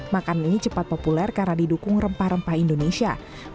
makan ini cepat populer karena didukung rempah rempah indonesia